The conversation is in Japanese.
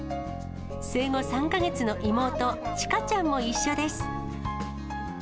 生後３か月の妹、ちかちゃんも一緒です。